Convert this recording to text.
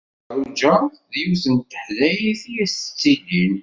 Ferruǧa d yiwet n teḥdayt i as-yettilin.